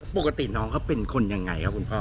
ปกติน้องเขาเป็นคนยังไงครับคุณพ่อ